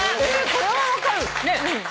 これは分かるねえ。